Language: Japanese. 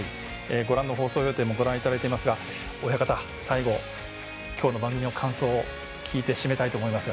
放送予定もご覧いただいてますが親方、最後、今日の番組の感想を聞いて締めたいと思います。